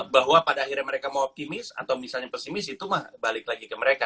bahwa pada akhirnya mereka mau optimis atau misalnya pesimis itu mah balik lagi ke mereka